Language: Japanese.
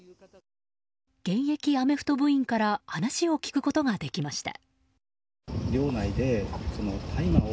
現役アメフト部員から話を聞くことができました。